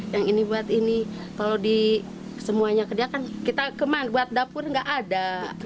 yang ini buat ini kalau di semuanya kerja kan kita buat dapur nggak ada